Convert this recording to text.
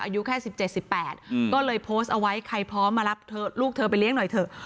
อายุแค่๑๗๑๘ก็เลยโพสต์เอาไว้ใครพร้อมมารับลูกเธอไปเลี้ยงหน่อยเถอะ